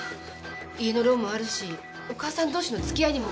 家のローンもあるしお母さん同士のつきあいにもお金が。